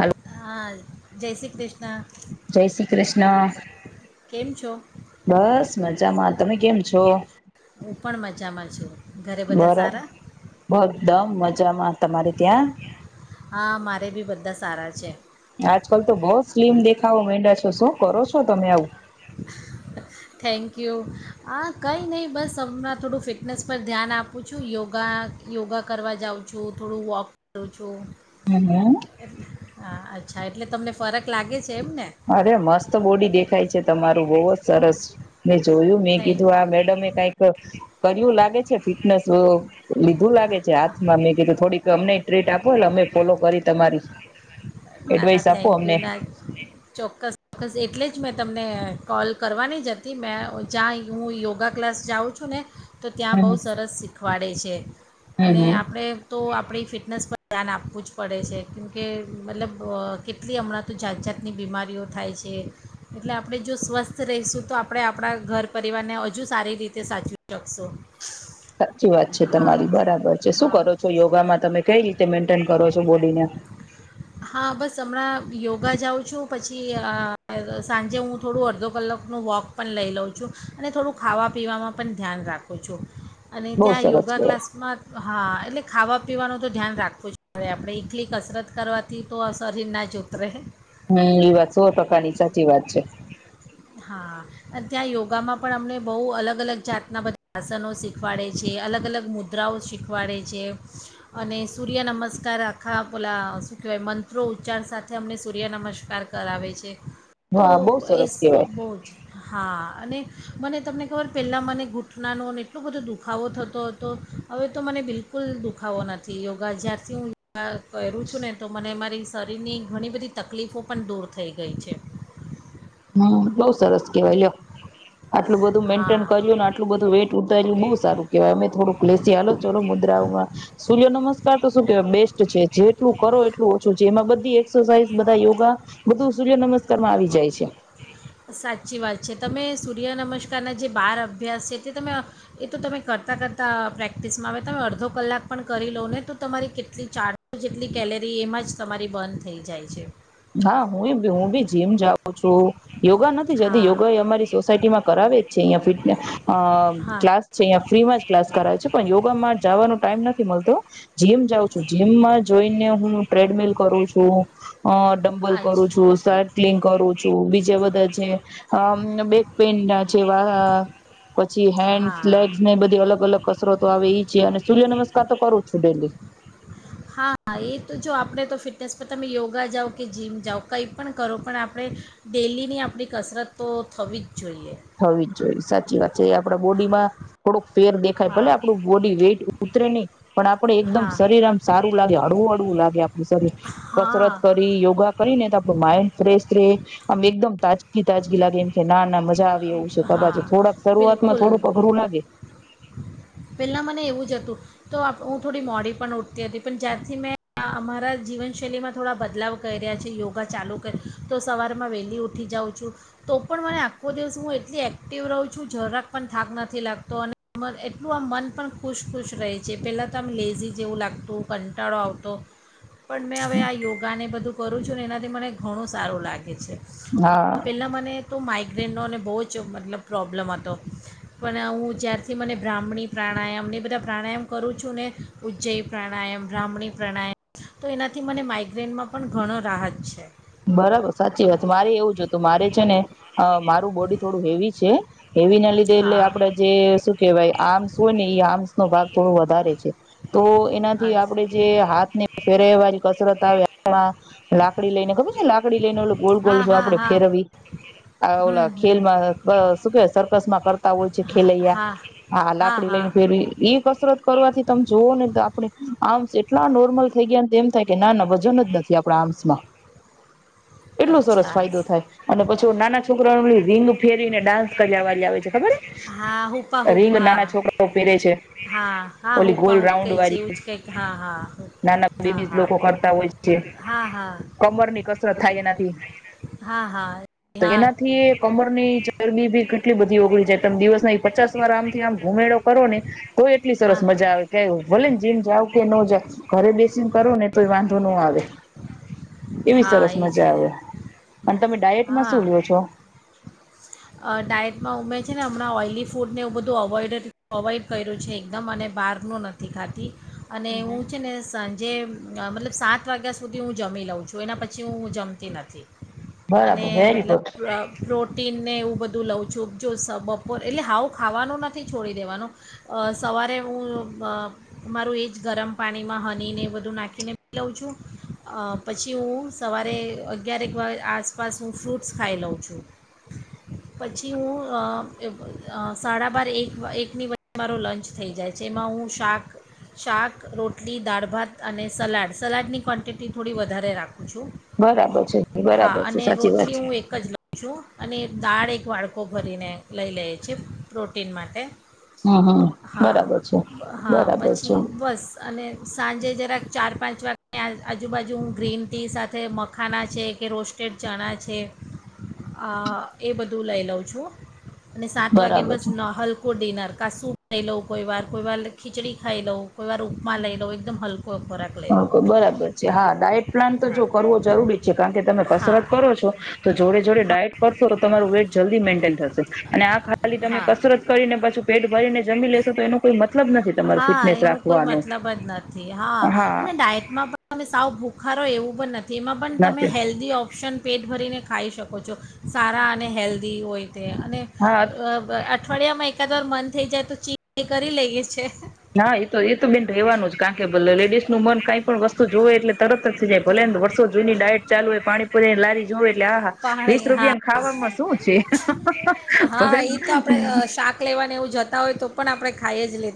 Hello હા જય શ્રી કૃષ્ણ જય શ્રી કૃષ્ણ કેમ છો બસ મજામાં તમે કેમ છો? હું પણ મજામાં છું ઘરે બધા સારા બરાબર બધા મજામાં તમારે ત્યાં હા મારે બી બધા સારા છે આજકાલ તો બહુ સ્લીમ દેખાવા માંડ્યા છો શું કરો છો તમે આવું થેન્કયુ આ કંઈ નહીં બસ હમણાં થોડું ફિટનેસ પર ધ્યાન આપું છું યોગા યોગા કરવા જાઉં છું થોડું વોક કરું છું હમ્મ હ હા અચ્છા એટલે તમને ફરક લાગે છે એમ ને અરે મસ્ત બોડી દેખાય છે તમારું બોહ જ સરસ મે જોયું મેં થેન્ક કીધું આ મેડમે કઈક કર્યું લાગે છે ફિટનેસ લીધું લાગે છે હાથમાં મેું થોડીક અમને ટ્રીટ આપો એટ અમે ફોલો કરી તમારી ના ના એડવાઈસ આપો થેન્ક યુ અમને ના ચોક્કસ ચોક્કસ એટલે જ મેં તમને કોલ કરવાની જ હતી મેં જ્યાં હું યોગા ક્લાસ જાઉં છું ને તો ત્યાં બહુ હમ સરસ શીખવાડે છે અને હમ આપણે તો આપણી ફિટનેસ પર ધ્યાન આપવું જ પડે છે કેમકે મતલબ કેટલી હમણાં તો જાત જાતની બીમારીઓ થાય છે એટલે આપણે જો સ્વસ્થ રહીશું તો આપણે આપણા ઘર તો પરિવાર ને હજુ સારી રીતે સાચવી શકશુ સાચી વાત છે તમારી બરાબર છે શું હા કરો છો યોગામાં તમે કઈ રીતે મેન્ટેન કરો છો બોડીને. હા બસ હમણાં યોગા જાઉં છું પછી સાંજે હું થોડું અડધો કલાકનું વોક પણ લઈ લઉં છું અને થોડું ખાવા પીવામાં પણ ધ્યાન રાખો છું અને બહુ ત્યાં સરસ યોગા કહેવાય ક્લાસમાં માં હા એટલે. ખાવા પીવાનું તો ધ્યાન રાખવું જ પડે આપણે એકલી કસરત કરવાથી તો શરીર ના જ ઉતરે. હમ્મ એ વાત સો ટકાની સાચી વાત છે. [inaudible] ત્યાં યોગામાં પણ અમને બહુ અલગ અલગ જાતના બધા આસનો શીખવાડે છે અલગ અલગ મુદ્રાઓ શીખવાડે છે અને સૂર્યનમસ્કાર આખા પલા શું કહેવાય મંત્રો ઉચ્ચારણ સાથે અમને સૂર્ય નમસ્કાર કરાવે છે. તો હા બહુ એ સરસ કેવાય ભોજ હા અને મને તમને ખબર પહેલાં મને ઘૂંઠનાનો અને એટલો બધો દુખાવો થતો હતો હવે તો મને બિલકુલ દુખાવો નથી યોગા જ્યારથી હું યોગા કરું છું ને તો મને મારી શરીરની ઘણી બધી તકલીફો પણ દૂર થઈ ગઈ છે. બઉુ સરસ કેવાય લો આટલું બધું મેન્ટન હા કર્યું ને આટલું બધું વેટ ઉતાર્યું બઉુ સારું કેહેવા અમે થોડુંક લસી હાલો ચલો મુદ્રાઓમાં સૂર્ય નમસ્કાર તો શું કેવાય બેસ્ટ છે જેટલું કરો એટલું ઓછું છે એમાં બધી એસરસાઝ બધા યોગા બધું સૂર્ય નમસ્ કારમાં આવી જાય છે. સાચી વાત છે તમે સૂર્ય નમસ્કારના જે બાર અભ્યાસ છે તે તમે એ તો તમે કરતાં કરતાં પ્રેક્ટિસમાં આવે તમે અડધો કલાક પણ કરી લો ને તો તમારી કેટલી ચારસો જેટલી કેલેરી એમાં જ તમારી બર્ન થઈ જાય છે. હા હું હું બી જીમ જાઉં યોગા નથી જતી હા યોગા એ અમારી સોસાયટી માં કરાવે જ છે અહં ફિટને અ હા ક્લાસ છે અં ફ્રી માં જ ક્લાસ કરાવે છે પણ યોગામાં જવાનો ટાઈમ નથી મળતો. જીમ જાઉં છું જીમમાં જઈને હું ટ્રેડમિલ કરું છું. [inaudible] ડમ્બલ આજ કરું છું સાકલિંગ કરું છું બીજા બધા છે બેક પેન ના છે વા પછી હેન્ડ હા લેગ્સ ને બધી અલગ અલગ કસરો તો આવે એ છે અને સૂર્ય નમસ્કાર તો કરું છું ડેલી. તેસ પર તમે યોગા જાઓ. કે જીમ જાઓ કંઈ પણ કરો પણ આપણે ડેલીની આપણી કસરત તો થવી જ જોઈએ. થવી જ જોઈએ સાચી વાત છે આપડા બોડીમાં થોડુંક. ફેર દેખાય ભલે હા આપણું બોડી વેઇટ ઉતરે નહીં પણ આપડ એકદમ હા શરીર આમ સારું લાગે હળવું હળવું લાગે આપણું શરીર કસરત હા કરી યોગા કરીને તો આપણું માઈન્ડ ફ્રેશ રહે આમ એકદમ તાજગી તાજગી લાગે એમ કે ના ના મજા. એવું છે [unintelligible] હા થોડાક શરૂઆતમાં થોડું અઘરું લાગે. પહેલા મને એવું જ હતું તો હું થોડી મોડી પણ ઉઠતી હતી પણ જ્યારથી મેં અમારા જીવનશૈલીમાં થોડા બદલાવ કર રહ્યા છે યોગા ચાલુ કરી તો સવારમાં વહેલી ઉઠી જાઉં છું તો પણ મને આખો દિવસ હું એટલી એક્ટિવ રહું છું જરાક પણ થાક નથી લાગતો અને. એટલું આ મન પણ ખુશ ખુશ રહે છે પહેલાં તો આમ લેઝી જેવું લાગતું કંટાળો આવતો પણ મેં હવે આ યોગાને બધું કરું છું ને એનાથી મને ઘણું સારું લાગે છે. હા પેલા મને. તો માઇગ્રેનોને બહુ જ મતલબ પ્રોબ્લમ હતો પણ હું જ્યારે. થી મને બ્રાહ્મણી પ્રાણાયામ એને બધા પ્રાણાયામ કરું છું ને ઉજ્જૈ પ્રાણાયામ બ્રાહ્મણી પ્રાણાયામ તો એનાથી મને માઇગ્રેનમાં પણ ઘણો રાહત છે. બરાબર સાચી વાત મારે એવું છે હતું મારે છે ને મારું બોડી થોડું હેવી છે. હેવી ના લીધે એટલે હા આપડે જે શું કેહેવાય આમ્સ હોય ને એ આમ્સ નો ભાગ. થોડું વધારે છે. તો એનાથી હા આપડે જે હાથ ને ફેરવા જે કસરત આવે આપણા લાકડી લઈને ખબરજ લાકડી લઈને ઓ ગોલ ગોલ હા જો હા આપડે હા ફેરવી આ ઓ હમ હમ ખેલમાં શું કે સરકસ માં કરતા હોય છે હા ખેલૈયા હા હા લાકડી લઈને ફેરવી એ કસરત કરવાથી તમે જોવ ને. તો આપણે અર્મ્સ એટલા નોર્મલ થઈ ગયા એમ થાય કે ના ના. વજન જ નથી આપણા આમ્સ માં. એટલો સરસ અચ્છા ફાયદો થાય અને પછી નાના છોકરાઓ રીંગ ફેરીને ડાન્સ કર્યા વાળી આવે છે ખબર હા હુપા હુપ રીંગ હા નાના છોકરાઓ પેરે છે હા હા ઓલી હુપા ગોલ હુપ રાઉન્ડ કંઈ છે વાળી એવું જ કંઈક હા હા નાના હા લેડીઝ હા લોકો કરતા હોય છે હા હા કમરની કસરત થાય એનાથી હા હા તો હા એનાથીયે કમર ની ચરબી ભી ઘ એટલી બધી ઓગળી જાય તમે દિવસ ના પચાસ વાર આમથી આમ ઘુમેડો કરો ને તો એટલી સરસ હા મજા આવે કે ભલે ને જીમ જાવ કે નો જાવ ઘરે બેસીને કરો ને તો વાંધો નો આવે એવી હા સરસ એ જ મજા ને આવે અને તમે ડાયટમાં હા શું લો છો અ, ડાયટમાં ઉમે છે ને હમણાં ઓઇલી ફૂડને એવું બધું અવોઇડ અવોઇડ કર્યું છે એકદમ અને બહારનું નથી ખાતી અને હું છે ને સાંજે મતલબ સાત વાગા સુધી હું જમી લઉં છું એના પછી હું જમતી નથી અને બરાબર વેરી ગુડ મતલબ પ્રોટીન ને એવું બ તો લઉં છું જો બપોર એટલે હાવું ખાવાનું નથી છોડી દેવાનું સવારે હું મારું એ જ ગરમ પાણીમાં હનીને એ બધું નાખીને પી લઉં છું પછી હું સવારે અગિયાર એક વા આસપાસ હું ફ્રૂટ્સ ખાઈ લઉં છું પછી હું સાડા બાર એક એકની વ મારો લંચ થઈ જાય છે એમાં હું શાક શાક રોટલી દાળ ભાત અને સલાડ સલાડની ક્વન્ટિટી તે થોડી વધારે રા છું બરાબર છે હા બરાબર છે અને સાચી રોટલી વાત છે હું એક જ લવ છું અને દાળ એક વાડકો ભરીને લઈ લઈએ છીએ પ્રોટીન માટે હમ હમ બરાબર છે હા હા બરાબર છે પછી બસ અને સાંજે જરાક ચાર પાંચ વાગત આજુબાજુ હું ગ્રીન ટી સાથે મખાના છે કે રોસ્ટેડ ચણા છે એ બધું લઈ લઉં છું અને સાત વાગે બરાબર બસ ન હલકુ ડિનર કાસુ ખ લોઉ કોઈ બાર કોઈ બાર ખિચડી ખાઈ લઉ કોઈ વાર ઉપમા લઈ લો એકદમ હલકો ખોરાક લઈ લો છે બરાબર હા, ડાયટ પ્લાન તો જો કરવો જરૂરી જ છે, કારણ કે તમે કસરત હા કરો છો તો જોડે જોડે હા ડાયટ કરશો તો તમારું વેટ જલ્દી મેન્ટેન થશે અને આ ખાલી તમે હા કસરત કરીને પાછું પેટ ભરીને જમી લેશો તો એનો કોઈ મતલબ નથી તમારી હા ફિટનેસ એનો રાખ મતલબ જ નથી. હા અને ડાયટમાં તમે સાવ ભૂખારો એવું પણ નથી. તેમાં પણ તમે નથી હેલ્ધી ઓપ્શન પેટ ભરીને ખાઈ શકો છો, સારા અને હેલ્ધી હોય. અને હા એ અઠવાડિયામાં એકાદ વાર મન થઇ જાય તો સીટ ડે કરી લઈએ છે. ના એતો એ તો બેન રેવાનું જ. કારણ કે લેડીસ નુ મન કાઈ પણ વસ્તુ જોવે એટલે તરત જ થઈ જાય. ભલે ને હા, વર્ષો જૂની ડાયટ ચાલુ હોય, પાણીપુરી ની લારી જોવે, એટલે આહા વીસ પાણી હા રૂપિયાને ખાવામાં શું છે? હા ભલેને એ તો આપણે અ, શાક લેવાને એવું જતા હોય તો પણ આપણે ખાઈ જ લે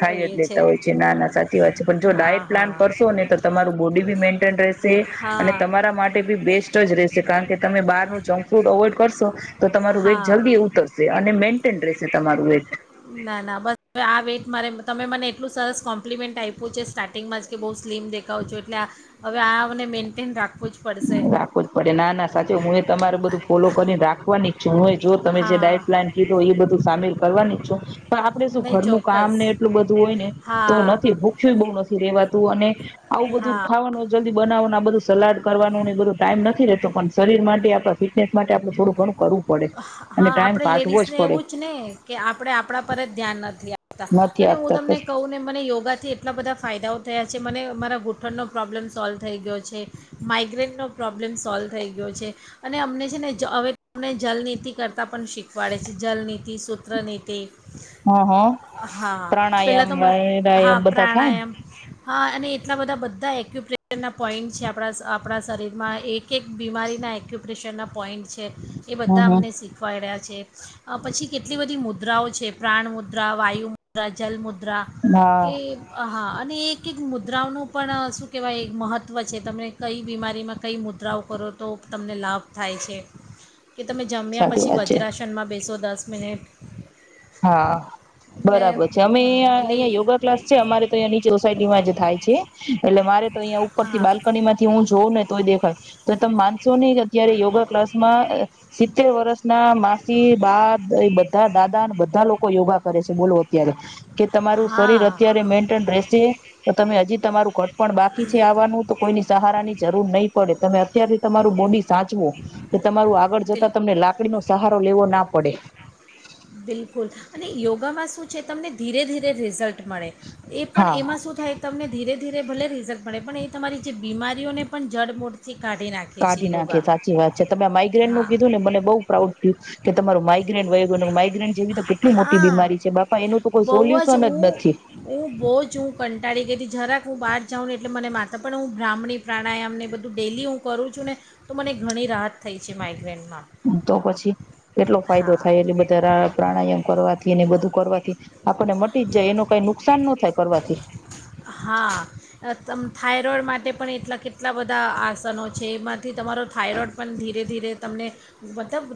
ખાઈ જ લેતા હોય છે. ના ના સાચી વાત છે. પણ જો હા ડાયટ પ્લાન હા કરશો ને, તો તમારું બોડી બી મેન્ટેન રહેશે. તે હા અને તમારા માટે બી બેસ્ટ જ રહેશે. કારણ કે તમે બહાર નું જંક ફૂડ અવોઈડ કરશો. તો તમારું વેઇટ હા જલ્દી ઉતરશે અને મેન [inaudible] ના ના બસ હવે આ વેટ મારે તમે મને એટલું સરસ કોમ્પ્લિમેન્ટ આપ્યું છે સ્ટાર્ટિંગમાં જ કે, બહુ સ્લીમ દેખાવો છો એટલે હવે આ મને મેન્ટેન રાખવું જ પડશે રાખવ જ પડે. ના ના સાચો હું એ તમારે બધું ફોલો કરીને રાખવાની જ છું. હંય જો તમે જે હા ડાયટ પ્લાન કીધું, એ બધું સામેલ કરવાની. છુ. પણ આપડે શું નહીં ઘરનું ચોક્કસ કામ ને એટલું બધું હોય ને તો હા નથી ભૂખ્યું બહુ નથી રેવાતુ અને આવું બધું હા ખાવાનું જલ્દી બનાવવાનું, આ બધું સલાડ કરવા. [inaudible] બ ટાઈમ નથી રહેેતો. પણ શરીર માટે, આપણા ફિટનેસ માટે, આપડું થોડું ઘણું કરવું પડે અને હા ટાઈમ આપણે કાઢવો લેડીસને પડે એવું જ ને કે, આપણે આપણા પર જ ધ્યાન નથી આપ નથી અને હું આપતા તમને બસ કહું ને, મને યોગા થી એટલા બધા ફાયદાઓ થયા છે. મને મારા ઘૂંઠણનો પ્રોબ્લેમ સોલ્વ થઈ ગયો છે. માઇગ્રેનનો પ્રોબ્લેમ સોલ્વ થઈ ગયો છે. અને અમને છે ને હવે, અમને જલનીતિ કરતાં પણ શીખવાડે છે. જલનીતિ, સૂત્ર નીતિ હા હા પહેલાં પ્રાણાયામ તો મ- હા વરાયામ બધા થાયને? પ્રાણાયામ હા અને એટલા બધા બધા એક્યુપ્રેશનના પોઈન્ટ છે આપણા આપણા શરીરમાં, એક એક બીમારીના એક્યુપ્રેશરના પોઈન્ટ છે. એ બધા હમ હમ અમને શીખવાડ્યા છે. પછી કેટલી બધી મુદ્રાઓ છે. પ્રાણ મુદ્રા, વાયુ મુદ્રા, જલ મુદ્રા મુદ્રા કે હા હા હા અને એક એક મુદ્રાઓનું પણ શું કહેવાય મહત્ત્વ છે. તમે કઈ બીમારીમાં કઈ મુદ્રાઓ કરો તો તમને લાભ થાય છે. કે તમે જમ્યા સાચી પછી વાત છે વજ્રાસનમાં બેસો દસ દસ મિનટ હા બરાબર છે. અમે હમ અહીયાં એટલે અહીંયા યોગા ક્લાસ છે. અમારે તો અહીંયા નીચે સોસાયટીમાં જ થાય છે. એટલે મારે તો અહીંયા ઉપર થી હા બાલ્કની માંથી હું જોઉં ને તો એ દેખાય. તો તમે માનસો નઈ અત્યારે યોગા ક્લાસમાં સિત્તેર વર્ષ ના માસી, બા બધા દાદા, બા લોકો યોગા કરે છે. બોલો અત્યારે કે તમારું શરીર હા અત્યારે મેન્ટેન રહેશે તો તમે હજી તમારું [inaudible] પણ બાકી છે આવવાનું તો કોઈની સહારા ની જરૂર નહીં પડે તમે અત્યારથી તમારું બોડી સાચવો તમારું આગળ જતા બિલકુલ તમને લાકડી નો સહારો લેવો ના પડે બિલકુલ અને યોગામાં શું છે, તમને ધીરે ધીરે રિઝલ્ટ મળે એ પણ હા એમાં શું થાય તમને ધીરે ધીરે ભલે રિઝલ્ટ મળે પણ એ તમારી જે બીમારીઓને પણ જળમૂળથી કાઢી નાખે સાચી વાત છે તમે માઇગ્રેન નું હા કીધું ને મને બઉુ પ્રાઉડ ફીલ કે તમારું ગ માઇગ્રેન જેવી તો હા કેટલી મોટી બીમારી હા છે બાપા એનું તો કોઈ બહુ સોલ્યુશન જ હું નથી હું બહુ જ હું કંટાળી ગઈ હતી જરાક હું બહાર જાઉં ને એટલે મને માથા પણ હું બ્રાહ્મણી પ્રાણાયામને બધું ડેલી હું કરું છું ને તો મને ઘણી રાહત થઈ છે માઇગ્રેન્ તો પછી કેટલો ફાયદો હા થાય એલે બધા પ્રાણાયામ કરવાથી ને બધું કરવાથી આપણને મટી જ જાય એનું કઈ નુકસાન નો થાય કરવાથી હા તમ થાઈરોઇડ માટે પણ એટલા કેટલા બધા આસનો છે એમાંથી તમારો થાઈરોઈડ પણ ધીરે ધીરે તમને મતલબ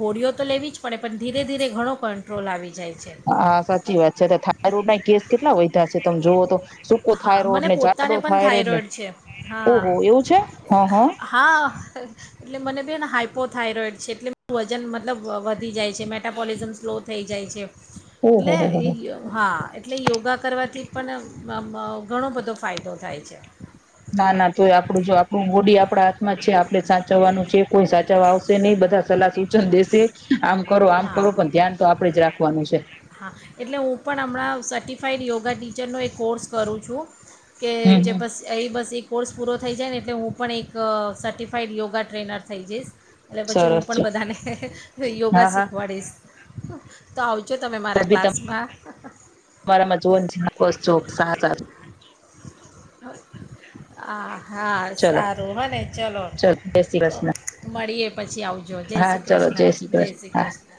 ગોળીઓ તો લેવી જ પડે પણ ધીરે ધીરે ઘણો કંટ્રોલ આવી જાય છે હા સાચી વાત છે થાયરોડ ના કેસ કેટલા વધયા છે તમે જોવો તો સૂકો હા થાયરોઈડ મને ને જાડો પોતાને પણ થાયરોડ ને થાઇરોઇડ છે હા ઓહો એવું છે હ હ ને હાઇપોથાઈરોઈડ છે એટલે વજન મતલબ વધી જાય છે મેટાબોલિઝમ સ્લો થઈ જાય છે ઓહો હો હો એટલેયે હા એટલે યોગા કરવાથી પણ મ મ ઘણો બધો ફાયદો થાય છે ના ના તોય આપણું જો આપણું બોડી આપણા હાથમાં છે આપડે સાચવવાનું છે કોઈ સાચવવા આવશે નહી બધા સલાહ સૂચન દેશે આમ કરો આમ હા કરો પણ ધ્યાન તો આપડે જ રાખવાનું છે હા એટલે હું પણ હમણાં સર્ટિફાાઈડ યોગા ટીચરનો એક કોર્સ કરું છું કે હમ જે હમ બસ એ બસ એક કોર્સ પૂરો થઈ જાય ને એટલે હું પણ એક સર્ટિફાઈડ યોગા ટ્રેનર થઈ જઈશ. એટ પછી હું સરસ પણ છે બધાને યોગા હા હા શીખવાડીશ. તો આવજો તમે મારા ક્લાસમાં [unintelligible] બરાબર જો ને બસ જુઓ બધા સારા આ હા, ચલો સારું હ ને ચલો જય શ્રી તો કૃષ્ણ મળીએ. પછી આવું જ જય શ્રી કૃષ્ણ. જય શ્રી કૃષ્ણ.